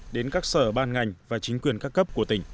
đến các sở ban ngành và chính quyền các cấp của tỉnh